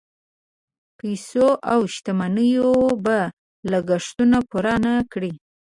پیسو او شتمنیو به لګښتونه پوره نه کړي.